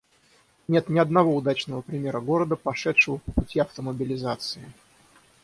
Нет ни одного удачного примера города, пошедшего по пути автомобилизации